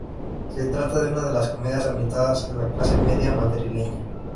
Se trata de una de las comedias ambientadas en la clase media madrileña.